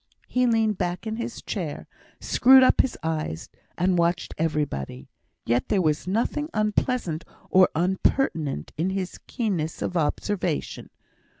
He leaned back in his chair, screwed up his eyes, and watched everybody; yet there was nothing unpleasant or impertinent in his keenness of observation.